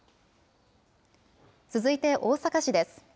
続いて大阪市です。